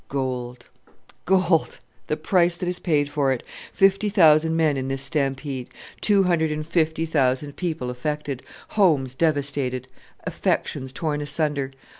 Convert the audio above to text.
"Gold, gold the price that is paid for it! Fifty thousand men in this stampede; two hundred and fifty thousand people affected; homes devastated; affections torn asunder!